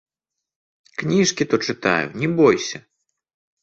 Кніжкі то чытаю, не бойся.